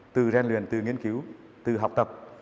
từ gian luyện từ nghiên cứu từ học tập